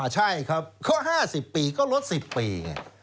ใช่ครับเพราะ๕๐ปีก็ลด๑๐ปี